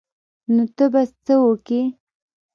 نو ته به څه وکې.